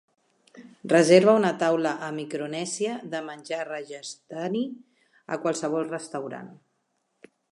reserva una taula a Micronèsia de menjar rajasthani a qualsevol restaurant